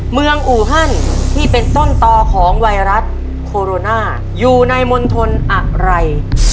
อูฮันที่เป็นต้นต่อของไวรัสโคโรนาอยู่ในมณฑลอะไร